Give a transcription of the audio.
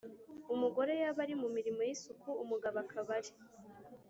umugore yaba ari mu mirimo y’isuku umugabo akaba ari